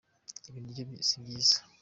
ibiryo sibyiza